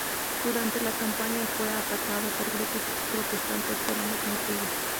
Durante la campaña fue atacado por grupos protestantes por ambos motivos.